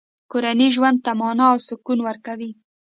کورنۍ ژوند ته مانا او سکون ورکوي.